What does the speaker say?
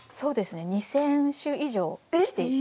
２，０００首以上来ていて。